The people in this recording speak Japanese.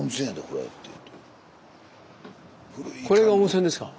これが温泉ですか？